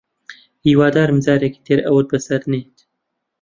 هیوادارم جارێکی تر ئەوەت بەسەر نەیەت